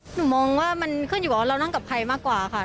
หนูมองว่ามันขึ้นอยู่กับว่าเรานั่งกับใครมากกว่าค่ะ